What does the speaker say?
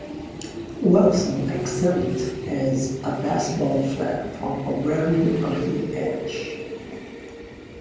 Wilson excelled as a baseball player from a very early age.